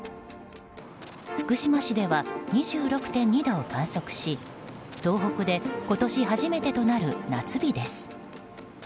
福島市では２６．２度を観測し東北で今年初めてとなる夏日です。